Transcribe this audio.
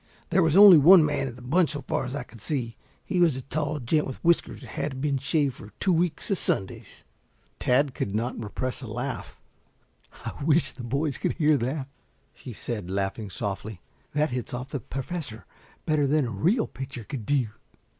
There was only one man in the bunch so far as I could see. He was a tall gent with whiskers that hadn't been shaved for two weeks o' Sundays." Tad could not repress a laugh. "I wish the boys could hear that," he said, laughing softly. "That hits off the Professor better than a real picture could do."